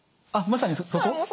あっまさにそこ？